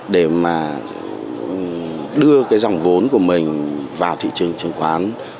để đưa dòng vốn của mình vào thị trường chứng khoán